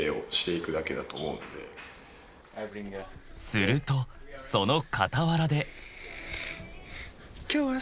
［するとその傍らで］